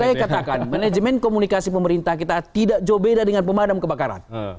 saya katakan manajemen komunikasi pemerintah kita tidak jauh beda dengan pemadam kebakaran